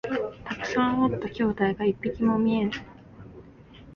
たくさんおった兄弟が一匹も見えぬ